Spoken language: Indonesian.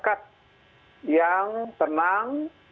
yang tenang yang senang kita muat breakthrough